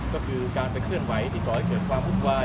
ก็คือการไปเคลื่อนไหวที่ก่อให้เกิดความวุ่นวาย